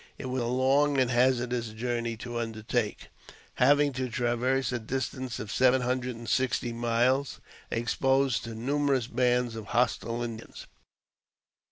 It was a long and hazardous journey to undertake, having to traverse a distance of seven hundred and sixty miles, e^tposed to numerous bands of hostile Indians.